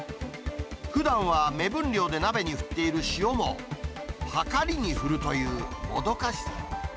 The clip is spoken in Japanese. ふだんは目分量で鍋に振っている塩も、はかりに振るという、もどかしさ。